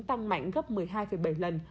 tăng mạnh gấp một mươi hai bảy lần